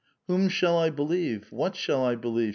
"Whom shall I believe? What shall 1 believe?"